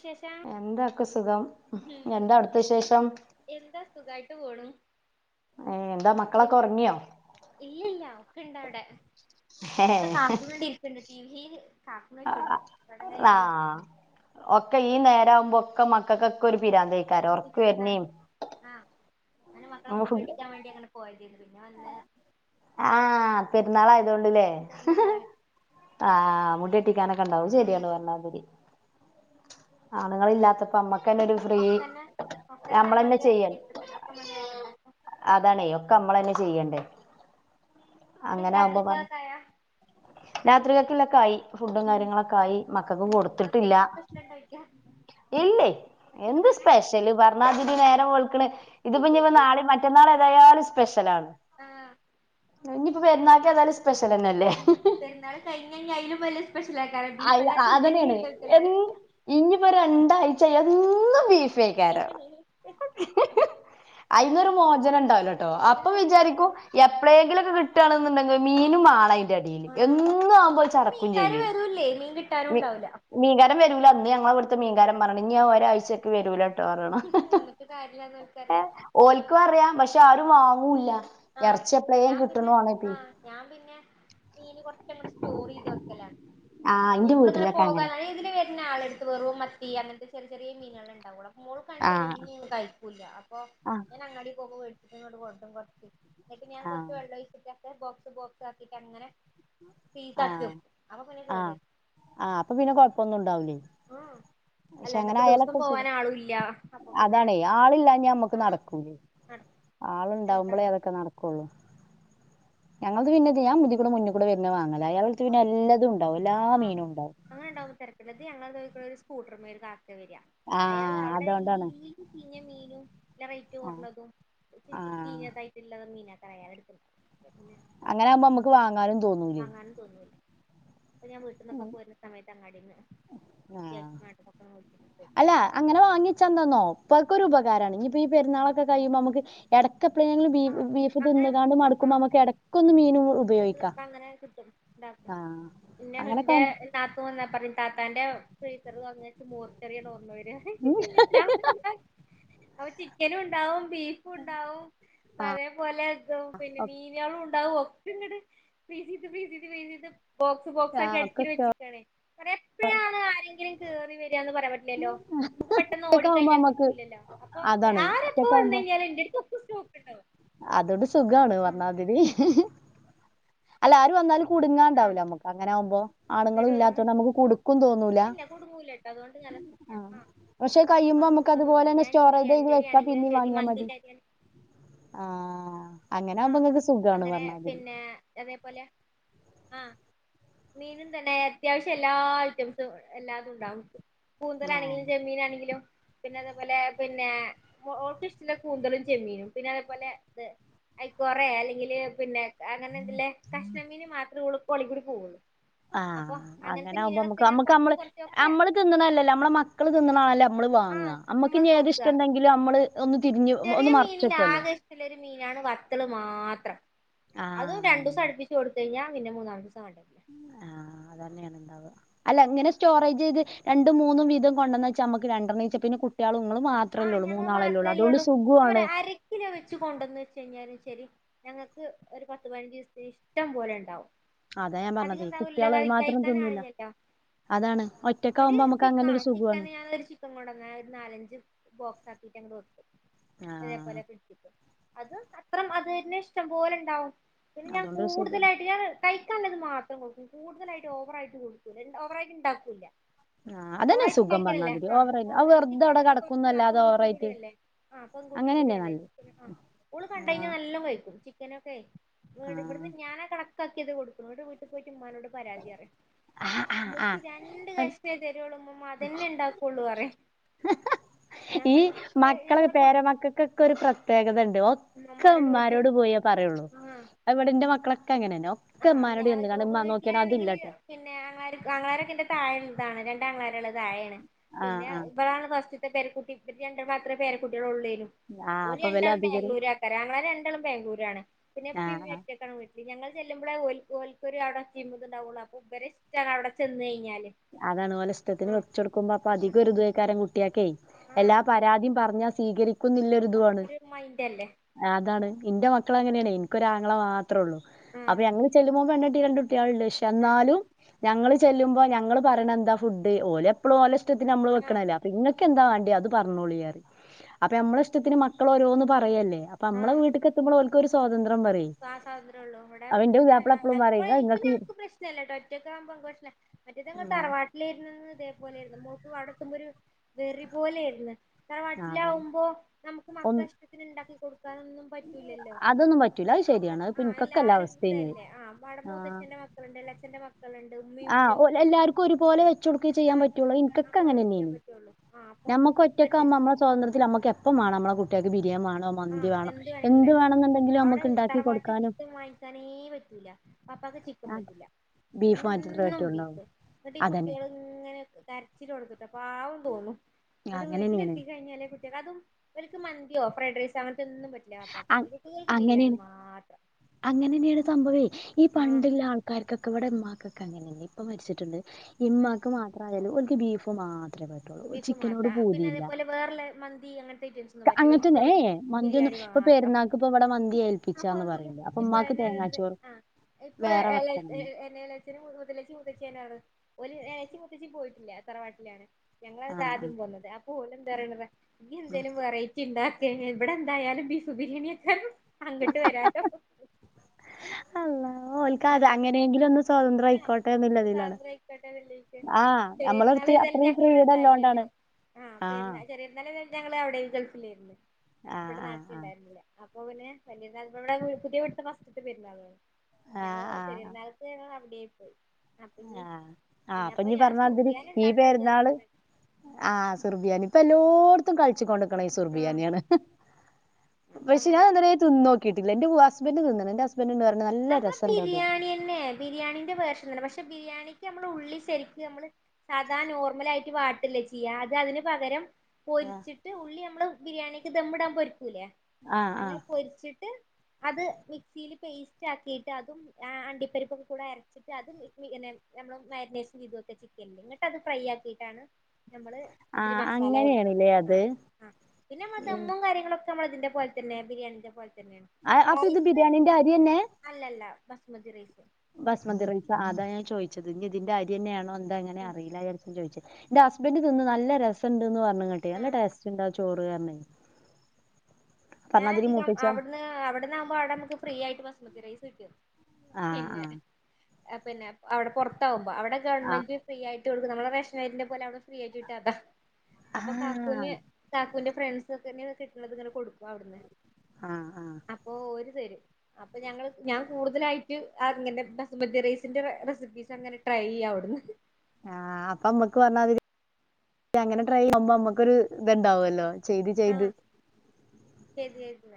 വിശേഷം എന്താക്കും സുഖം ഉം എന്താ അവടുത്ത വിശേഷം എന്താ സുഖായിട്ട് പോണു ഏഹ് എന്താ മക്കളൊക്കെ ഒറങ്ങിയോ ഇല്ല ഇല്ല ഒക്കെ ഇണ്ട് അവടെ കാർട്ടൂൺ കണ്ടു ഇരിക്കണ്ട് ടി വില് കാക്ക വെച്ചോ [unintelligible] ആഹ് ഒക്കെ ഈ നേരം ആവുമ്പോ ഒക്കെ മക്കക്കൊക്കെ ഒരു പിരാന്തായി ആഹ് പിന്നെ എന്താണ് ആ ഞാനും മക്കളെ മുടി വെട്ടിക്കാൻ വേണ്ടി അങ്ങനെ പോയതിരുന്നു പിന്നെ വന്ന് ആഹ് പെരുന്നാൾ ആയതുകൊണ്ടല്ലേ എന്താണ് ആഹ് മുടി വെ ട്ടിക്കെ ഇണ്ടാവും ഉം ശെരിയാണ് പറഞ്ഞ മാതിരി ആണുങ്ങളില്ലാത്തപ്പോ അമ്മ ഒക്കന്നെ ഒക്കന്നെ നമ്മള് ചെയ്യണം എടുത്തിട്ടുണ്ട് ഒക്കെ നമ്മള് കൊണ്ടാകും അതാണേ ഒക്കെ അമ്മള് തന്നെ ചെയ്യണ്ടേ എന്നിട്ട് അങ്ങനെ ആകുമ്പോ പറഞ്ഞു രാത്രിക്കുള്ളതൊക്കെ ആയോ രാത്രിലെക്കിലൊക്കെ ആയി ഫുഡും ഉം കാര്യങ്ങളൊക്കെ ആയി മക്കക്ക് എന്തെങ്കിലും കൊടുത്തിട്ടില്ല പ്രത്യേകിച്ച് സ്പെഷ്യൽ ഉണ്ടോ ചോയിക്കാ ഇല്ലേ ഒറ്റക്ക് എന്താ തന്നെ സ്പെഷ്യല് പറഞ്ഞാ മാതിരി നേരം വെളുക്കണ് ഇതിപ്പോനി നാളെ മ റ്റന്നാൾ ആയാലും സ്പെഷ്യലാണ് ആഹ് ഇനിയിപ്പോ പെരുന്നാൾക്കും ഏതായാലും സ്പെഷ്യലന്നല്ലേ പരുന്നാൾ കഴിഞ്ഞ ഇഞ്ഞുഹൈലും വലിയ സ്പെഷൽ ആക്കാറ ബീഫ് അയ് അല്ലാത്ത എന്തെങ്കിലും അതന്നെയാണ് ഉണ്ടോ ചോയ്ക്കും എ എല്ലാരും ഇനിയിപ്പോ രണ്ടാഴ്ച എന്നും ബീഫ് [unintelligible] അയിന്നു ഒര് ഏതൊരു മോചനം ഉണ്ടാവലോട്ടോ അപ്പോ വിചാരിക്കൂ വചനണ്ടാവൂലേ എപ്പളെങ്കിലോക്കെ കിട്ടുകയാണെന്നുണ്ടെങ്കോ മീനും മാണം അന്റെ എടില് എന്നും ആവുമ്പോ ചടക്കും ചെയ്യുവേ പ്പ്ല്ലേ മീൻ കിട്ടാനുണ്ടാവില്ല മീൻകാരൻ വരൂല അന്ന് ഞങ്ങ ഇവടുത്തെ മീൻകാരൻ പറയണ് ഞങ്ങ ഒരാഴ്ചയ്ക്ക് വരൂല വന്നിട്ട് കാര്യം ഇല്ലെന്ന് ഓല്ക്കറിയാം ഓലിക്കും അറിയാം പഷേ ആരും വാങ്ങൂല്ല ആഹ് ഇറച്ചപ്പളേയും ഞാൻ കിട്ടണ പിന്നെ ആണെപ്പി ആഹ് ഞാൻ പിന്നെ മീൻ കൊറച്ചങ്ങട്ട് സ്റ്റോർ ചെയ്ത് വെക്കലാണ് ആഹ് ഇനി ഇന്റെ എപ്പോഴും ഇങ്ങനെ വീട്ടിലൊക്കെ അങ്ങനെ പോകാന് ഇതിലേ വരണ ആളെടുത്ത് വറും മത്തി അങ്ങനത്തെ ചെറിയ ചെറിയ മീനുകൾണ്ടാവുള്ള അപ്പോ മോൾക്ക് ആണെങ്കി ആഹ് അതൊന്നും കഴിക്കു സ്കു ഇല്ല അപ്പോ ആഹ് ഞാൻ അങ്ങാടി പോകോച്ചിട്ട് ഇങ്ങോട് കൊട്ടും കുറച്ച് എന്നിട്ട് ഞാൻ കുറച്ച് ആഹ് വെള്ള ഒഴിച്ചിട്ട ബോക്സ് ബോക്സ് ആക്കിട്ട് അങ്ങനെ പീസ് ആക്കി ആഹ് വെക്കും അപ്പോ പിന്നെ കേട് ആഹ് ആഹ് അപ്പോ പിന്നെ കൊഴപ്പൊന്നും ഇണ്ടാവൂലേ ആഹ് പഷേ അങ്ങനെ അല്ലാണ്ടപ്പ ദിവസം ആയാലൊക്കെ പോവാൻ സുഖം ആളും ഇല്ല അപ്പൊ പിന്നെ അതാണേ ആളില്ലാ ഞമ്മുക്ക് ആഹ് നടക്കൂല്ലേ നട ആളോണ്ടാവുമ്പളേ എന്താപ്പ അതൊക്കെ നട് ക്കുള്ളു ഞങ്ങ പിന്നെ ഞാൻതികൂടെ മുന്നിക്കുടെ വരുന്ന വാങ്ങലായി [unintelligible] പിന്നെ എല്ലതും ണ്ടാവും എല്ലാ മീനും ഉണ്ടാവും അങ്ങനെ ഉണ്ടാകുമ്പോ തരകേടില്ല ഞങ്ങൾ ഇതിക്കൂടെ ഒരു സ്കൂട്ടർമേല് ഒരു കാക്ക വര്യ ആഹ് അയാളവിടെ ഈ അതുകൊണ്ടാണ് ഇൽ ചിഞ്ഞ മീനും നല്ല റേറ്റ് ആഹ് കൊറഞ്ഞതും ഒരുച്ചിരി ആഹ് ചീഞ്ഞതായിട്ട്ള്ള മീനേക്കാ അയാളെടുക്കുന്നെ അപ്പോ പിന്നെ അങ്ങനമ്പോ നമുക്ക് വാങ്ങാനും തോന്നുലേ ങ്ങാനും തോന്നൂലാ അപ്പോ ഞാൻ വീട്ടിൽന്നൊക്കെ പോരുന്ന സമയത്ത് അങ്ങാടിന്ന് ആഹ് അത്യാവശ്യം വേണ്ടതൊക്കെ [inaudible] അല്ല അങ്ങനെ വാങ്ങിവെച്ചാ എന്താനോ പ്പോക്കൊരു ഉപകാരാണ് ഇനിപ്പോ പെരുന്നാളൊക്ക കഴിയുമ്പോ നമുക്ക് എടക്ക് എപ്പളേങ്കിലും ആഹ് ബീഫ് അങ്ങനെ ആവുമ്പോ തിന്ന്ക്കാണ്ട് മടക്കുമ്പോ സുഖാണ് നമുക്ക് എടക്കൊന്ന് മീനു [inaudible] അങ്ങനെ കിട്ടും ഇണ്ടാക്കും ആഹ് പിന്നെ അങ്ങനൊക്കെ ഇന്റെ ആവുമ്പോ താത്തു വന്നാ പറയും താത്താന്റെ ഫ്രിസറ് തൊറന്ന്ച്ചാ മോർച്ചറിയാ ഓർമ്മ വരാ [inaudible] ഉം അപ്പോ ചിക്കനുണ്ടാവും ബീഫും ഉണ്ടാവും ആഹ് പഴേപോലെ ഇതും പിന്നെ മീനുകളും ഒണ്ടാവും [unintelligible] ബോക്സ് ഒക്കെ ബോക്സാക്കി ആഹ് ഒക്കെ അടക്കിന് വെച്ചേക്കണേ കാരണം എപ്പോഴാണ് ആരെങ്കിലും കേറി വരാന്ന് പറയാൻ പറ്റില്ലല്ലോ നമുക്ക് പെട്ടെന്ന് ഒറ്റക്കാവുമ്പോ ഓടിക്കഴിഞ്ഞാ നമ്മക്ക് കിട്ടൂലല്ലോ അപ്പോ അതാണ് ആരെപ്പവന്ന് കഴിഞ്ഞാലും എന്റെടുത്ത് ഇപ്പ സ്റ്റോക്ക് ഇണ്ടാവും അതുകൊണ്ട് സുഖാണ് പറഞ്ഞാതിരി അല്ല ആര് വന്നാലും ആ കുടുങ്ങാണ്ടാവില്ല നമ്മുക്ക് അങ്ങനാവുമ്പോ [unintelligible] ഇല്ല കുടുങ്ങൂല്ലട്ടോ അതുകൊണ്ട് നല്ല [inaudible] ആഹ് പക്ഷെ കഴിയുമ്പോ നമുക്ക് അതുപോലെ തന്നെ സ്റ്റോറേജെയ്ത് ബിരിയാണിന്റെ അരി വെക്കാം ആണെങ്കിലും പിന്നേം ശരി വാങ്ങിയാ മതി മന്തിന്റെ അരി ആഹ് അങ്ങനാവുമ്പ ഇങ്ങക്ക് സുഖാണ് പറഞ്ഞമാതിരി എതേ പോലെ ആഹ് മീനും തന്നെ അത്യാവശ്യം എല്ലാ ഐറ്റംസും എല്ലാതും ഉണ്ടാവും ആഹ് കൂന്തലാണെങ്കിലും ചെമ്മീനാണെങ്കിലും പിന്നെ അതേപോലെ പിന്നേ മോൾ‌ക്കിഷ്ട്ടള്ള കൂന്തളും ചെമ്മീനും പിന്നെ അതേപോലെ ഇത് ഐക്കോറേ അല്ലെങ്കില് പിന്നെ അങ്ങനെ എന്തല്ലേ കഷ്ണമീന് മാത്രേ ഓളെ തൊള്ളിക്കൂടെ പോവുള്ളു ആഹ് അങ്ങനാവുമ്പ അമ്മ്ക്ക് അമ്മ്ക്ക് അമ്മള് കൊറച്ചൊക്കെ അമ്മ്ള് തിന്നണ അല്ലല്ല അമ്മ്ള് മക്കള് തിന്നണാല്ല നമ്മള് ആഹ് വാങ്ങാ അമ്മ്ക്ക് നമ്മള് ഇനി ഏത് നോക്കുക ഇഷ്ടുണ്ടെങ്കിലും അമ്മ്ള് ഒന്ന് തിരിഞ്ഞു ചെറിയ മീനിൽ ആകെ ഇഷ്ട്ടിള്ളൊരു മീനാണ് വത്തള് മാത്രം അതും ആഹ് രണ്ടൂസം അടുപ്പി ച്ചു കൊടുത്ത് കഴിഞ്ഞാ പിന്നെ മൂന്നാം ദിവസം ആളിണ്ടാവൂല്ല ആഹ് അതെന്നേണ് ഇണ്ടാവാ അല്ല ഇങ്ങനെ സ്റ്റോറേജെയ്ത് രണ്ടും മൂന്നും വീതം കൊണ്ടന്ന് വെച്ചാ നമ്മുക്ക് രണ്ടണ്ണിച്ചെ പിന്നെ കുട്ടികളും ഇങ്ങളും മാ ത്രല്ലെ ആഹ് ഒള്ളു ഞങ്ങൾ മൂന്നാളല്ലേ ഒള്ളൂ മാത്രല്ലേ അതൊണ്ട് ഉള്ളൂ ഞാൻ സുഖോവാണ് [unintelligible] വെച്ച് കൊണ്ടന്ന് വെച്ച് കഴിഞ്ഞാലും ശരി ഞങ്ങക്ക് ഒരു പത്ത് പതിനഞ്ച് ദിവസത്തി ഇഷ്ടം പോലെ എണ്ടാവും അതാ ഞാൻ അധികം പറഞ്ഞതേ ഇതാവൂല്ലല്ല കുട്ട്യാള് കഴി അയിമാത്രം കഴിക്കാൻ തിന്നൂല ആളില്ലല്ലോ അതാണ് ഒര് ഒറ്റക്കാവുമ്പോ അമ്മക്ക് ചിക്ക അങ്ങനൊരു ആഹ് ചിക്കൻ സുഖുവാണ് ഞാൻ [unintelligible] ചിക്കൻ കൊണ്ടന്ന ഒരു നാലഞ്ച് ബോക്സ് ആക്കിയിട്ട് അങ്ങട് വെക്കും ആഹ് അതേപോലെ [inaudible] അത് അത്രം അതന്നെ ഇഷ്ടം പോലെണ്ടാവും പിന്നെ ഞാൻ അതോണ്ടൊരു സുഖാണ് കൂടുതലായിട്ട് ഞാന് കഴിക്കാള്ളെത് മാത്രം കൊടുക്കും കൂടുതലായിട്ട് ഓവറായിട്ട് കൊടുക്കൂല ഇണ്ട് ഓവറായിട്ട് ഇണ്ടാക്കൂല്ല ആഹ് അതന്നെ ഓവറായിട്ട് സുഖം ഇണ്ടാക്കിയാലല്ലേ പറഞ്ഞാതിരി ആഹ് ഓവറായി ഓവ അത് വെറുതെ ചിക്കൻ അവടെ [inaudible] ആഹ് കെടക്കുന്നല്ലാതെ പെങ്കുട്ടിയും ഓവറായിട്ട് കൂടിയല്ലേ ആഹ് പെങ്കുട്ടിയും അങ്ങനെന്നെ കൂടിയല്ലേ നല്ലത് ചിക്കന് ഓള് കണ്ട് കയിഞ്ഞാ ആഹ് നല്ലൊം കഴിക്കും ചി ക്കനൊക്കെ ഇവിട് ഇവിടുന്ന് ഞാൻ കണക്കാക്കിയതെ കൊടുക്കു എന്നട്ട് വീട്ടി പോയിട്ട് ഉമ്മാനോട് പരാതി പറയും ആഹ് ആഹ് എനിക്ക് ആഹ് രണ്ട് ആഹ് കഷ്ണെ തരുള്ളൂ ഉമ്മുമ്മാ അതന്നെ എണ്ടാക്കുള്ളൂ പറയും ഞാൻ ഈ പറയും ഞാൻ മക്കള് കൊട് പേരമക്കക്കൊക്കെ ഒരു പ്രത്യേകത എണ്ട് ഒ ക്ക ഉമ്മമ്മാരോട് പോയിട്ട് ഉമ്മാരോട് പോയെ പറയൊള്ളു ആഹ് ഇവിടെന്റെ മക്കളൊക്കെ അങ്ങനെന്നെ ഒക്കെ ആഹ് ഞാൻ ഉമ്മാനോട് ചെന്ന് താണ്ട് ഉമ്മ നോക്കിയാ വീട്ടിലാണെങ്കില് അതില്ലട്ട പിന്നെ ആങ്ങളമാര് ആങ്ങളമാരൊക്കെ എന്റെ താഴെള്ളതാണ് രണ്ട് ആങ്ങളമാര് എള്ളത് താഴേണ് ആഹ് പിന്നെ ആഹ് ഇവളാണ് ഫസ്റ്റ് ത്തെ പേരക്കുട്ടി ഇവര് രണ്ടും മാത്രേ പേരക്കുട്ടികള് ഒള്ളേനു ആഹ് ഓര് അപ്പൊ ഇവല് രണ്ടാള് അധികൊര് ബാംഗ്ലൂര് ആൾക്കാരാ ആങ്ങളമാര് രണ്ടാളും ബാംഗ്ലൂരാണ്പിന്നെ ഉപ്പേ ഉമ്മേ ആഹ് ഒറ്റക്കാണ് വീട്ടില് ഞങ്ങൾ ചെല്ലുമ്പളേ ഓൽ ഓൽക്കൊരു അവിടെ [unintelligible] അപ്പം ഇവര് ഇഷ്ട്ടാണ് അവിടെ ചെന്ന് കഴിഞ്ഞാല് അതാണ് ഓലെ ഇഷ്ടത്തിന് ആഹ് വെച്ചു കൊടുക്കുമ്പം അപ്പൊ ആഹ് അധികൊരു ഇതേക്കാരം കുട്ടിയക്കെ എല്ലാ ആഹ് പരാതീം പറഞ്ഞാ സ്വീകരിക്കുന്നില്ലൊരു അപ്പൊ ഇതുവാണ് ഒരു മൈൻഡല്ലേ ആഹ് അതാണ് ഇന്റെ മക്കളും അങ്ങനേണെ എനിക്കൊര് ആങ്ങള മാത്രൊള്ളൂ ആഹ് അപ്പൊ ഞങ്ങള് ചെല്ലുമ്പോ ഓൻ പെണ്ണ് കെട്ടി രണ്ട് കുട്ടികളെണ്ട് പക്ഷെ ആഹ് എന്നാലും ഞങ്ങള് ചെല്ലുമ്പൊ ഞങ്ങള് പറയണെ എന്താ ഫുഡ് ഓല് എപ്പളും ഓല ഇഷ്ടത്തിന് നമ്മള് ആഹ് വെക്കണല്ലെ ഇങ്ങൾക്കെന്താ വേണ്ടിയെ അത് പറഞ്ഞോളീ പറയും അപ്പ ഞമ്മള ഇഷ്ടത്തിന് മക്കള് ഓരോന്ന് പറയല്ലേ അപ്പം നമ്മള വീട്ടിക്ക് എത്തുമ്പോ ഓൽക്കൊരു സ്വാതന്ത്രം പറയും ഇപ്പാ സ്വാതന്ത്രം ഒള്ളു ഇവിടെ അപ്പൊ ഇന്റെ പിന്നെ പുതിയാപ്പള എപ്പളും അഹ് പറയും ഇപ്പം ഇങ്ങള് ഇപ്പം ഇങ്ങക്ക് ഞങ്ങക്ക് പ്രശ്‌നില്ലട്ടൊ ഒറ്റക്ക് ആവുമ്പൊ [unintelligible] മറ്റേത് ഞങ്ങള് ആഹ് തറവാട്ടിലേരുന്നന്ന് ഇതേപോലെയാരുന്നു മോക്ക് അവിടെത്തുമ്പൊരു വെറി പോലേയിരുന്ന് അതന്നെ തറവാട്ടിലാവുമ്പോ നമുക്ക് ഒന്ന് മക്കളെ ഇഷ്ടത്തിന് ഇണ്ടാക്കി കൊടുക്കാനൊന്നും പറ്റൂല്ലല്ലോ അതൊന്നും പറ്റൂല്ല അവിടെ ആഹ് എല്ലാരും കൂടെയല്ലേ ആഹ് അപ്പം അവിടെ ആഹ് മൂത്തച്ഛന്റെ മക്കളിണ്ട് ഇളേച്ഛന്റെ മക്കളിണ്ട് ആഹ് ഓഹ് എല്ലാർക്കും ഒരുപോലെ വെച്ച് കൊടുക്കെ ചെയ്യാൻ പറ്റുള്ളു ആവശ്യടുക്കുമ്പോ ഇനിക്കൊക്കെ അത് അങ്ങനെ അവള് ചെയ്യാൻ തന്നെയ്ന്നു പറ്റുള്ളൂ ആ അപ്പൊ നമ്മുക്ക് പറ്റും. ഒറ്റക്കാവുമ്പം നമ്മടെ സ്വാതന്ത്രത്തിൽ നമ്മക്ക് എപ്പം വേണം നമ്മടെ കുട്ടികൾക്ക് ബിരിയം വേണം ആ മന്തി വേണം വേണെങ്കിലും എന്ത് ഉണ്ടായിക്കോട്ടെ വേണെന്നുണ്ടെങ്കിലും നമുക്ക് ഉണ്ടാക്കി കൊടുക്കാനും വെക്കാനേ പറ്റൂല്ല പപ്പാക്ക് ചിക്കൻ പറ്റില്ല ബീഫ് മാത്രമേ എന്നും ബീഫ് പറ്റുണ്ടാവും എന്നിട്ട് ഈ അതന്നെ കുട്ടികള് ഇങ്ങനെ കരച്ചില് തുടങ്ങീട്ട് പാവം തോന്നും ഇവിടെ അങ്ങനെന്നെയാണ് വീട്ടിലെത്തി കഴിഞ്ഞാല് അതും ഇവർക്ക് മന്തിയോ ഫ്രൈഡ്റൈസ് അങ്ങനത്തെയൊന്നും പറ്റില്ലപ്പാ കുട്ടികൾക്ക് ബിരിയാണി മാത്രം അങ്ങനെ തന്നെയാണ് സംഭവേ ഈ ആ പണ്ടുള്ള ആൾക്കാർക്കൊക്കെ ഇവിടെ ഉമ്മാക്കൊക്കെ അങ്ങനെന്നെ ഇപ്പൊ മരിച്ചിട്ടുണ്ട് ആ ഇമ്മാക്ക് മാത്രം ആയാലും ഓൽക്ക് ബീഫ് മാത്രേ പ ബീഫ് മാത്രം പിന്നെ അതേപോലെ വേറല്ല മന്തി അങ്ങനത്തെ ഐറ്റംസ് ഒന്നും ക- പറ്റില്ല അങ്ങനത്തെ ഓൽക്ക് ഒന്നും- ഏ വെറും മന്തിയൊന്നും ബിരിയാണി മാ ഇപ്പൊ ത്രം പെരുന്നാൾക്ക് ഇപ്പൊ ഇവിടെ മന്തി ഏൽപ്പിച്ചാന്ന് [unintelligible] പറയണ്ട് അപ്പൊ ഇപ്പൊ ഉമ്മാക്ക് അയിനുള്ളത് തേങ്ങാച്ചോറ് ആഹ് ഇപ്പൊ വേറെ വെക്കണം എലേല് [unintelligible] പോയിട്ടില്ല തറവാട്ടിലാണ് ഞങ്ങള് ആ അത് ആദ്യം ആ പോന്നത് അപ്പം ഓല് എന്താ പറയണെ നീ എന്തേലും വെറൈ ചിന്താക്കെ ഇവിടെ എന്തായാലും ബീഫ് ബിരിയാണിയൊക്കെ അങ്ങട്ട് വരാലോ അള്ളാ ആഹ് ഓൽക്ക് അത് അതാണ് അങ്ങനെയെങ്കിലും ഒന്ന് സ്വാതന്ത്രം ആയിക്കോട്ടെ എന്നുള്ളതിലാണ് സ്വാതന്ത്ര്യായിക്കോട്ടെ വെള്ളിയാഴ്ച ആഹ് നമ്മളെടുത്ത് അത്രയും ഫ്രീഡ ആയില്ലല്ലോ ആഹ് [unintelligible] ഞങ്ങള് അവിടെ ഗൾഫിലായിരുന്ന് ആഹ് ഇവടെ ആഹ് നാട്ടിൽ ആഹ് ഉണ്ടായിരുന്നില്ല അപ്പൊ പിന്നെ [unintelligible] പുതിയവിടുത്തെ ഫസ്റ്റിലത്തെ പെരുന്നാളാണ് ഞങ്ങള് ആഹ് ആഹ് ചെറിയുന്നാൾക്ക് ഞങ്ങള് അവിടെ ആയി പോയി അപ്പൊ നീ ആഹ് ആഹ് നീ അപ്പൊ ഇനി ഞാൻ പറഞ്ഞാതിരി സുർബിയാല് ഈ ഇണ്ടാക്കാ വിചാരി പെരുന്നാള് ആഹ് സുർബിയാനി ഇപ്പൊ എല്ലോ കളിച്ചോണ്ടിക്കണം ഈ ആഹ് സുർബിയാനിയാണ് പക്ഷെ ഞാൻ അങ്ങനെ തിന്നോ കിട്ടില്ല എന്റെ ഹസ്ബന്റ് തിന്ന്ണ് എന്റെ [unintelligible] പറഞ്ഞാല് നമ്മള് ബിരിയാണി തന്നെയാ ബിരിയാണീന്റെ വേർഷൻ തന്നെ പക്ഷെ ബിരിയാണിക്ക് നമ്മള് ഉള്ളി ശരിക്ക് നമ്മള് സാദാ നോർമല് ആയിട്ട് വാട്ടില്ലേ ചെയ്യാ അത് അതിന് പകരം പൊരിച്ചിട്ട് ഉള്ളി നമ്മള് ബിരിയാണിക്ക് ദമ്മിടാൻ പൊരിക്കൂലേ ആഹ് അങ്ങനെ ആഹ് പൊരിച്ചിട്ട് അത് മിക്സിയില് പേസ്റ്റ് ആക്കിയിട്ട് അതും അണ്ടിപ്പരിപ്പൊക്കെ കൂടെ അര വെച്ചിട്ട് അത് ഇങ്ങനെ നമ്മള് മാരിനേഷൻ ചെയ്ത് വെക്കും ചിക്കനില് എന്നിട്ട് അത് ഫ്രൈ ആക്കിയിട്ടാണ് നമ്മള് ഇതില് ആഹ് മസാലയാ ഇടുന്നത് അങ്ങനെയാണില്ലേ അത് ആഹ് ആഹ് പിന്നെ നമ്മ ദമ്മും കാര്യങ്ങളും ചമ്മളത്തിന്റെ പോലെ തന്ന ബിരിയാണിന്റെ പോലെ തന്നെ ഹ അപ്പൊ ഇത് ബിരിയാണിന്റെ അരി തന്നെ അല്ലല്ല ബസ്മതി റൈസ് ബസ്മതി റൈസ് അതാഞാചോയ്ച്ചത് ഇനി ഇതിന്റെ അരിന്നെയാണോ എന്താങ്ങനെ അറിയില്ലയിച്ച ചോദിച്ചത് ന്റെ ഹസ്ബന്ഡറ് തിന്ന് നല്ല രസണ്ടന്ന് പറഞ്ഞു കേട്ടെ നല്ല ആഹ് ടേസ്റ്റ് ഉണ്ടാ ചോറ് പറഞ്ഞാതിരി ഞാനധികം മൂത്തച്ച അവിടുന്ന് അവിടുന്നവുമ്പോൾ അവിടെ നമുക്ക് ഫ്രീ ആയിട്ട് ബസ്മതി റൈസ് കിട്ടും പിന്നെ ആഹ് പിന്നെ അവിടെ പൊറത്താവുമ്പോ അവിടെ ആഹ് ഗവൺമെന്റ് ഫ്രീ ആയിട്ട് കൊടുക്കും നമ്മുടെ റേഷനരീന്റെ പോലെ അവിടെ ഫ്രീ ആയിട്ട് കിട്ട അതാ ആഹ് അപ്പൊ കാക്കൂന് ആഹ് കാക്കുവിന്റെ ഫ്രണ്ട്സ് ഒക്കെന്നെ കിട്ടണത് ഇങ്ങനെ കൊടുക്കും അവിടുന്ന് ആഹ ആഹ അപ്പൊ ഒരു തരും അപ്പൊ ഞങ്ങള് ഞാൻ കൂടുതലായിട്ട് അ ഇങ്ങനെ ബസ്മതി റൈസിന്റെ റെസിപ്പീസ് അങ്ങനെ ട്രൈ ചെയ്യാവിടുന്നു ആഹ അപ്പൊ അമ്മക്ക് പറഞ്ഞതി അങ്ങനെ ട്രൈ യുമ്പോ അമ്മക്കൊരു ഇത്ണ്ടാവല്ലോ ചെയ്ത് ത്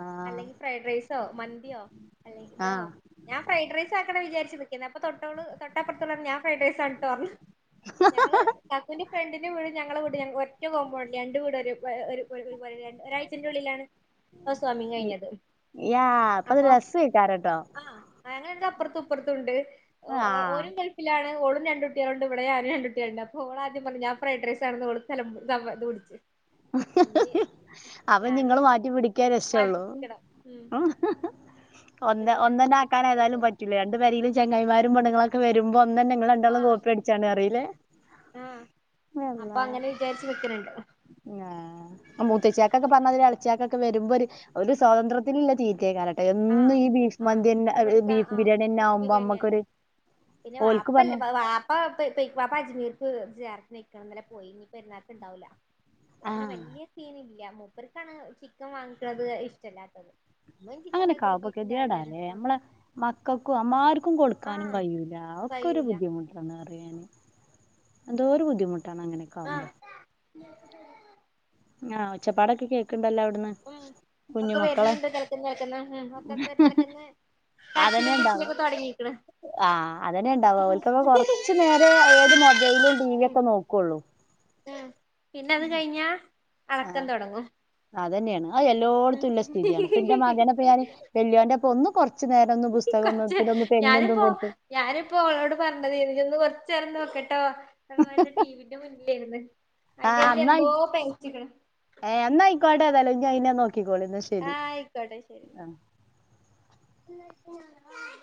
ആഹ് അല്ലെങ്കിൽ ഫ്രൈഡ് റൈസോ മന്തിയോ അല്ലെ ഇതോ ആഹ് ഞാൻ ഫ്രെഡ്റൈസ് ആക്കന്ന് വിചാരിച്ച് നിക്കുന്ന അപ്പ തൊട്ടോളു തൊട്ടപ്പുത്തുള്ള ഓള് പറഞ്ഞു ഞാൻ ഫ്രൈഡ്റൈസ് ആണിട്ടോപറഞ്ഞു ഞങ്ങള് കാക്കുന്റെ ഫ്രണ്ടിന്റെ വീട് ഞങ്ങളെ വീട് ഒറ്റ കോമ്പണ്ട് രണ്ടു വീടൊരു ഒരു ഒരു രണ്ട് ഒരാഴ്ചന്റെ ഉള്ളിലാണ് ഹൌസ് വമിങ്‌ കഴിഞ്ഞത് യാ അത് അപ്പൊ രസേക്കാരട്ടോ ആഹ ഞങ്ങൾ രണ്ടും അപ്പുറത്തും ഇപ്പറുത്തുണ്ട് ആഹ് ഓരും ഗൾഫിലാണ് ഓളും രണ്ടു കുട്ടിളോണ്ട് ഇവിടെ ഞൻ രണ്ടു കുട്ടിളോണ്ട് അപ്പോ ഓള ആദ്യം പറഞ്ഞ ഞൻ ഫ്രൈഡ് റൈസ് ആണെന്ന് ഓള് [unintelligible] സർബത്ത് കുടിച് അപ്പൊ ഞാന് നിങ്ങള് മാറ്റി മാറ്റി പിടിക്കാരക്ഷള്ളു നിക്കണം ഉം അപ്പൊ ഒന്ന് ഇനി ഞാൻ ഒന്ന് തന്നെ ആക്കാന സെറ്റിൽമെന്റ് ഏതാലും വിചാരിച്ചു പ ല്ല രണ്ട് പേരയില് ചങ്ങയിമാരും പെണ്ണുങ്ങളൊക്കെ വരുമ്പോ അന്ന് തന്നെ നിങ്ങള രണ്ടാളും ആഹ് കോപ്പി അടിച്ചാന്നു അറില്ലേ യാ അള്ളാ തേച് വെക്കനുണ്ടോ? ആ മൂത്തച്ചാക്കക്ക്ൊക്കെ പറഞ്ഞതില് ഇളച്ചാക്കൊക്കെ വരുമ്പോ ഒരു സ്വാതന്ത്രത്തിനല്ല തീറ്റയ കാരം ആഹ് എന്നും ഈ ബീഫ് ആഹ് മന്തി തന്നെ ഇവിടുത്തെ ബീഫ് ആഹ് ബിരിയാണി തന്നെ ബീഫ് ആക്മ്പോ ബിരിയാണി അല്ലേ നമ്മുക്കൊരു പിന്നെ വാപ്പല്ല വാ പ്പ വാപ്പ അജ്മീർക്ക് [unintelligible] ഇന്നലെ പോയി ഇനി പെരുന്നാർക്ക്‌ ഉണ്ടാവില്ല ഇവിടെപിന്നെ ആഹ് വല്ല്യയ സീൻ ഇല്ല മൂപ്പർക്കാണ് ചിക്കൻ വാങ്ങിക്കണത് ഇഷ്ടല്ലാത്തത് ചിക്കൻ കഴിക്കൂല അങ്ങനെക്കാമ്പോ ബീഫിന്റെ ആളന്നെയാണ് ഗാതിയേടാല്ലേ മ്മളെ മക്കൾക്കും അ്മാർക്കും ആ കൊടുക്കാനും ആഹ് കയുല ഒക്കെ ഒരു കഴിയൂല ബുദ്ധിമുട്ട പെട്ടന്ന് പറയാന് എന്തോരു ബുദ്ധിമുട്ടാണ് അങ്ങനെയൊക്കെ ആഹ് ആകുമ്പോൾ [inaudible] ആഹ് ഒച്ചപ്പാടൊക്കെ കേക്കണ്ടല്ലോ അവിടുന്ന് കുഞ്ഞു മക്കളെ [inaudible] അതന്നെ കരച്ചിലും ഇണ്ടാവ പിഴിച്ചിലൊക്കെ തൊടങ്ങിക്കണ് ആഹ് അതനെണ്ടാവ ഓല്ക്കേകെ കൊറച്ചു നേരെ ഏത് മൊബൈലും ടി വി ഒക്കെ നോക്കുള്ളൂ അഹ് പിന്നെ അത് കഴിഞ്ഞ ആഹ് ഒറക്കം തൊടങ്ങും അതന്നെയാണ് ആ എല്ലോടുത്തുള്ള സ്ഥിതിയാണ് പ്പന്റെ മകനപ്പ ഉം ഞാന് വല്ല്യൊന്റെപ്പോം ഒന്ന് കൊറച്ചുനേരം ഒന്ന് പുസ്തകം ഒന്ന് [unintelligible] ഓ ഞാനിപ്പോ ഒളോട് പറഞ്ഞത് ഇനിക്കൊന്ന് കൊറച്ച നേരം നോക്കട്ടോ അവന്മാര് ടിവിന്റെ മുന്നിലാരുന്നു ആഹ് അതിനാത് എന്നാ എന്തോ പൈചിക്കിന് ഏഹ് എന്നായിക്കോട്ടേതല്ലോ ഞായിനെ നോക്കിക്കോളി എന്ന് പ ആഹ് ആയിക്കോട്ടെ ശരി എന്നാ